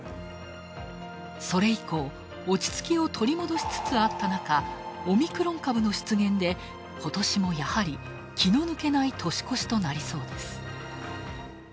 それ以降、落ち着きを取り戻しつつあった中オミクロン株の出現でことしもやはり気の抜けない年越しとなりそうです。